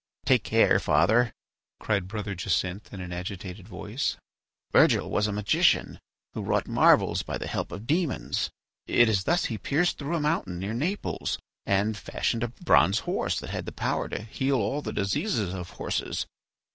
"Take care, father," cried Brother Jacinth, in an agitated voice. "Virgil was a magician who wrought marvels by the help of demons. It is thus he pierced through a mountain near Naples and fashioned a bronze horse that had power to heal all the diseases of horses.